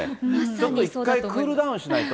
どこかで１回クールダウンしないと。